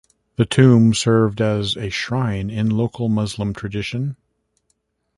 The tomb served as a shrine in local Muslim tradition.